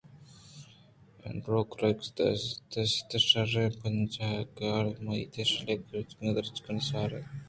اینڈروکِلس ءَ دیست شیر ءِ پنجگ ءَ اَزَامَتیں شِلّے گُرچتگ ءُ دردانی ساہار ءَ آ نارگ ءَ اِنت